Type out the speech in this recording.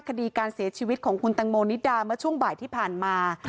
คดีการเสียชีวิตของคุณตังโมนิดาเมื่อช่วงบ่ายที่ผ่านมา